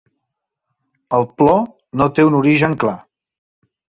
El plor no té un origen clar.